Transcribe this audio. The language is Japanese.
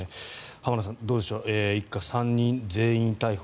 浜田さん、どうでしょう一家３人全員逮捕。